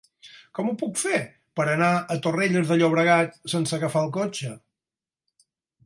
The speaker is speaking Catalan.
Com ho puc fer per anar a Torrelles de Llobregat sense agafar el cotxe?